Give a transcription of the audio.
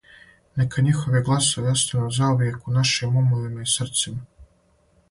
Нека њихови гласови остану заувијек у нашим умовима и срцима.